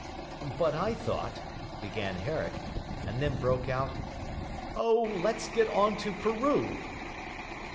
'But I thought,' began Herrick; and then broke out; 'oh, let's get on to Peru!'